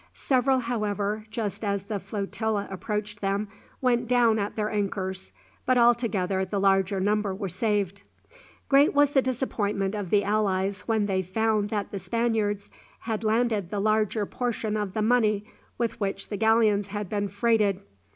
Several, however, just as the flotilla approached them, went down at their anchors, but altogether the larger number were saved. Great was the disappointment of the allies when they found that the Spaniards had landed the larger portion of the money with which the galleons had been freighted.